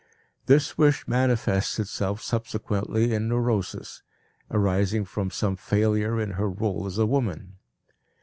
This wish manifests itself subsequently in neurosis, arising from some failure in her role as a woman.